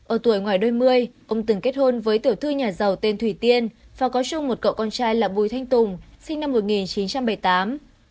ở tuổi ngoài đôi mươi ông từng kết hôn với tiểu thư nhà giàu tên thủy tiên và có chung một cậu con trai là bùi thanh tùng sinh năm một nghìn chín trăm bảy mươi tám